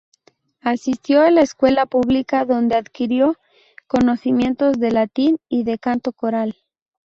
Asistió a la escuela pública donde adquirió conocimientos de latín y de canto coral.